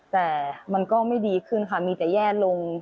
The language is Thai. แต่มันก็ไม่ดีขึ้นค่ะมีแต่แย่ลง